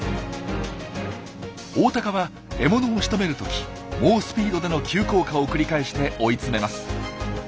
オオタカは獲物をしとめる時猛スピードでの急降下を繰り返して追い詰めます。